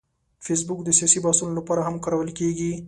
فېسبوک د سیاسي بحثونو لپاره هم کارول کېږي